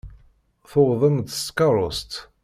Tuwḍem-d s tkeṛṛust.